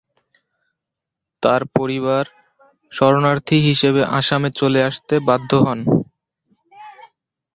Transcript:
তার পরিবার শরণার্থী হিসেবে আসামে চলে আসতে বাধ্য হন।